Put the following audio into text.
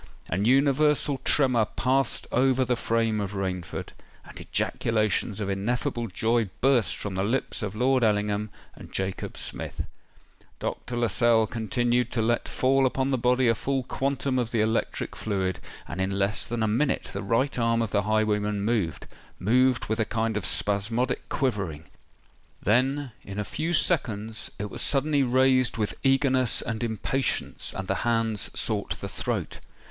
An universal tremor passed over the frame of Rainford; and ejaculations of ineffable joy burst from the lips of Lord Ellingham and Jacob Smith. Dr. Lascelles continued to let fall upon the body a full quantum of the electric fluid; and in less than a minute the right arm of the highwayman moved,—moved with a kind of spasmodic quivering: then, in a few seconds, it was suddenly raised with eagerness and impatience, and the hand sought the throat.